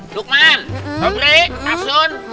dukman pebrik asun